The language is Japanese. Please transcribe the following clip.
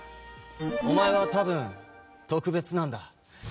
お前は多分、特別なんだ。